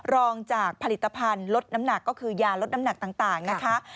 รองจากผลิตภัณฑ์ลดน้ำหนักก็คือยาลดน้ำหนักต่างนะคะ